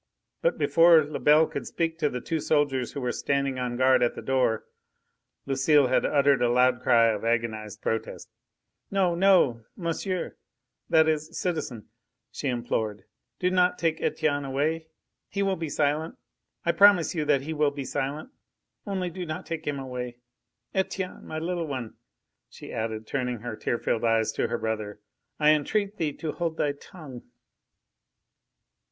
But before Lebel could speak to the two soldiers who were standing on guard at the door, Lucile had uttered a loud cry of agonised protest. "No! no! monsieur! that is citizen!" she implored. "Do not take Etienne away. He will be silent.... I promise you that he will be silent ... only do not take him away! Etienne, my little one!" she added, turning her tear filled eyes to her brother, "I entreat thee to hold thy tongue!"